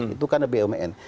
itu karena bumn